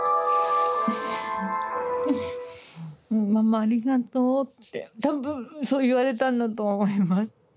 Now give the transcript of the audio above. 「ママありがとう」って多分そう言われたんだと思います。